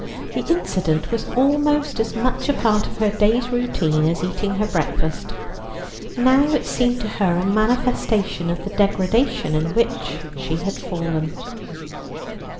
The incident was almost as much a part of her day's routine as eating her breakfast. Now it seemed to her a manifestation of the degradation into which she had fallen.